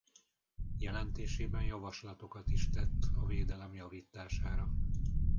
Jelentésében javaslatokat is tett a védelem javítására.